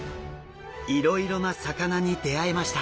いろいろな魚に出会えました。